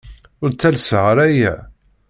Ur d-ttalseɣ ara aya.